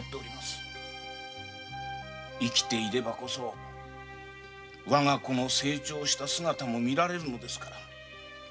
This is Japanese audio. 生きていればこそ我が子の成長した姿も見られるのですから。